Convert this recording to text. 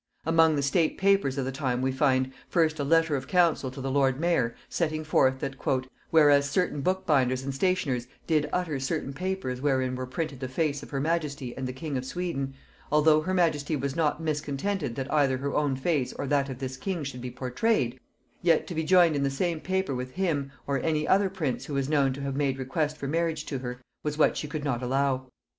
Among the state papers of the time we find, first a letter of council to the lord mayor, setting forth, that, "Whereas certain bookbinders and stationers did utter certain papers wherein were printed the face of her majesty and the king of Sweden; although her majesty was not miscontented that either her own face or that of this king should be pourtrayed; yet to be joined in the same paper with him or any other prince who was known to have made request for marriage to her, was what she could not allow.